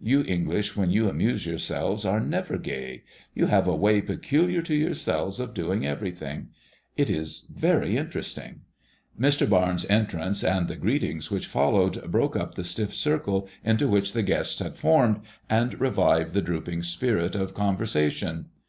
You English when you amuse your selves are never gay. You have a way peculiar to yourselves of doing everything. It is very in teresting.'' Mr. Barnes' entrance and the greetings which followed broke up the stiff circle into which the guests had formed, and revived the drooping spirit of conversation.